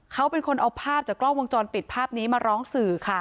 เขาเป็นคนเอาภาพจากกล้องวงจรปิดภาพนี้มาร้องสื่อค่ะ